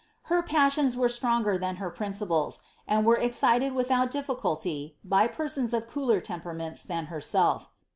Her passions were stronger than her principles, and were excited without difficulty by persons of cooler temperaments ihan herself.